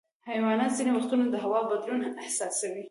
حیوانات ځینې وختونه د هوا بدلون احساسوي.